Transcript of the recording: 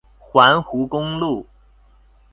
環湖公路